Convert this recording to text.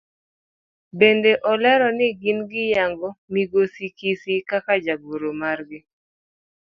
Bende olero ni gin giyango migosi Siki kaka jagoro margi.